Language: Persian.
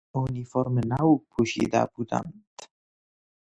اونیفورم نو پوشیده بودند.